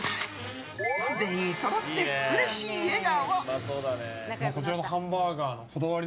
全員そろって、うれしい笑顔。